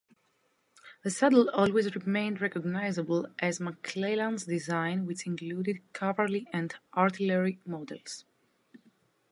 The saddle always remained recognizable as McClellan's design, which included cavalry and artillery models.